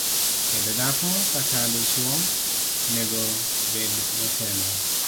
bedo dhako kata dichuo onego bed motelo